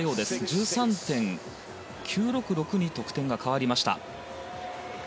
１３．９６６に得点が変わりました。